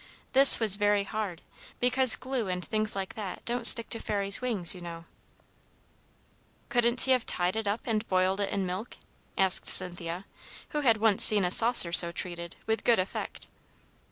This was very hard, because glue and things like that don't stick to Fairies' wings, you know." "Couldn't he have tied it up and boiled it in milk?" asked Cynthia, who had once seen a saucer so treated, with good effect.